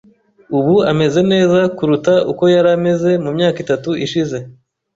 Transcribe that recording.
Ubu ameze neza kuruta uko yari ameze mu myaka itatu ishize .